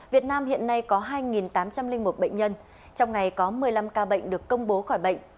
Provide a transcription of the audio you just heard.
việt nam hiện nay có hai tám trăm linh một bệnh nhân trong ngày có một mươi năm ca bệnh được công bố khỏi bệnh